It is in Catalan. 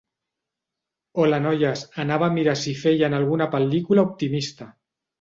Hola noies, anava a mirar si feien alguna pel·lícula optimista.